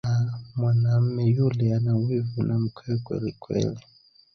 Ah Mwanamme yule anawivu na mkewe kwelikweli.